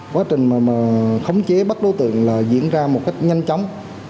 quá trình mà khống chế bắt đối tượng là diễn ra một cách nhanh chóng